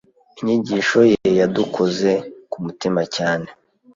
Inyigisho ye yadukoze ku mutima cyane.